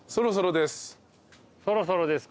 そろそろですか？